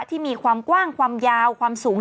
ที่มีความกว้างความยาวความสูง